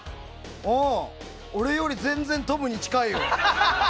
俺より全然トムに近いよ。